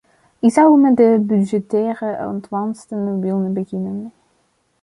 Ik zou met de budgettaire ontvangsten willen beginnen.